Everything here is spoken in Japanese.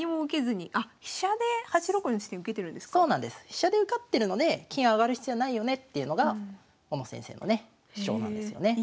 飛車で受かってるので金上がる必要ないよねっていうのが小野先生のね主張なんですよね。